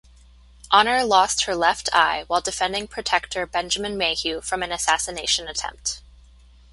Honor lost her left eye while defending Protector Benjamin Mayhew from an assassination attempt.